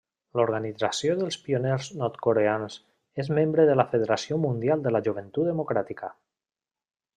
L'organització dels pioners nord-coreans és membre de la Federació Mundial de la Joventut Democràtica.